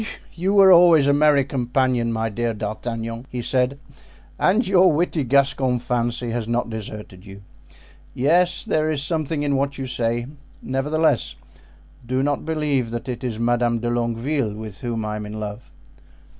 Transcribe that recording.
"You were always a merry companion, my dear D'Artagnan," he said, "and your witty Gascon fancy has not deserted you. Yes, there is something in what you say; nevertheless, do not believe that it is Madame de Longueville with whom I am in love."